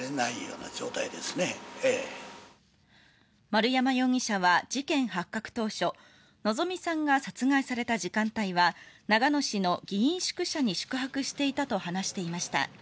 丸山容疑者は事件発覚当初希美さんが殺害された時間帯は長野市の議員宿舎に宿泊していたと話していました。